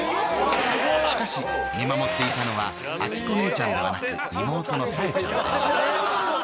しかし見守っていたのは明子姉ちゃんではなく妹の彩絵ちゃんでした。